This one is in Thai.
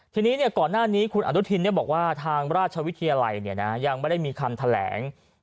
ทีนี้ก่อนหน้านี้คุณอนุทินบอกว่าทางราชวิทยาลัยยังไม่ได้มีคำแถลง